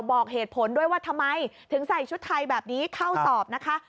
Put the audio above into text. บอกเหตุผลด้วยว่าทำไมถึงใส่ชุดไทยแบบนี้เข้าสอบนะคะ